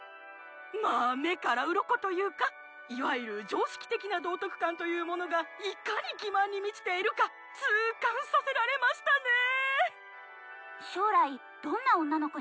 まあ目からうろこというかいわゆる常識的な道徳観というものがいかに欺まんに満ちているか痛感させられましたねぇ